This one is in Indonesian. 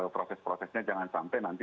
proses prosesnya jangan sampai nanti